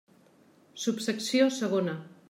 Subsecció segona.